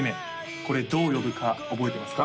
これどう呼ぶか覚えてますか？